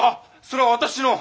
それは私の。